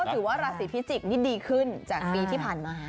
ถือว่าราศีพิจิกษ์นี่ดีขึ้นจากปีที่ผ่านมา